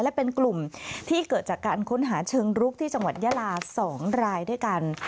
และเป็นกลุ่มที่เกิดจากการค้นหาเชิงรุกที่จังหวัดยาลา๒รายด้วยกัน